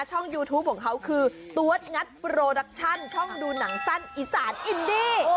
ช่องยูทูปของเขาคือตัวงัดโปรดักชั่นช่องดูหนังสั้นอีสานอินดี